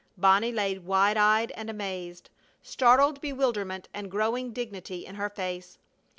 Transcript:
Bonnie lay wide eyed and amazed, startled bewilderment and growing dignity in her face.